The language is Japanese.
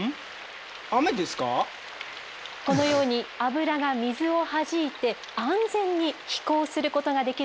このように脂が水をはじいて安全に飛行することができるのでございます。